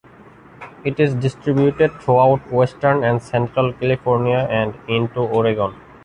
It is distributed throughout western and central California and into Oregon.